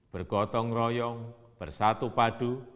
bergotong royong bersatu padu